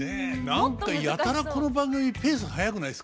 何かやたらこの番組ペース速くないですか？